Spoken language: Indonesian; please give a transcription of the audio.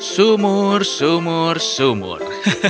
sumur sumur sumur